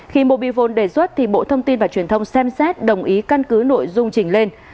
khi mobivon đề xuất thì bộ thông tin và truyền thông xem xét đồng ý căn cứ nội dung trình lên